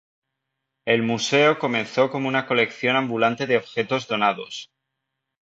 El "museo" comenzó como una colección ambulante de objetos donados.